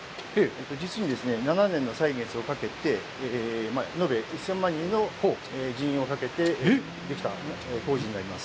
実に７年の歳月をかけて、延べ１０００万人の人員をかけてできた工事になります。